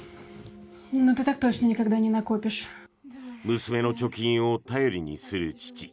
娘の貯金を頼りにする父。